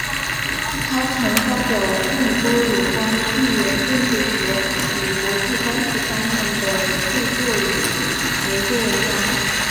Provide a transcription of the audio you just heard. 他曾发表众多有关地缘政治学与国际关系方面的着作与研究文章。